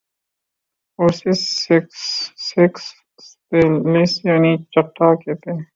اور اسے سیکستیلیس یعنی چھٹا کہتے تھے